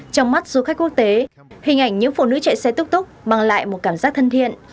trong mắt du khách quốc tế hình ảnh những phụ nữ chạy xe túc túc mang lại một cảm giác thân thiện